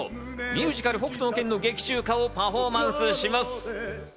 ミュージカル『北斗の拳』の劇中歌をパフォーマンスします。